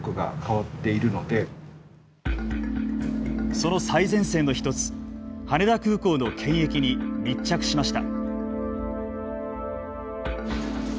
その最前線の一つ羽田空港の検疫に密着しました。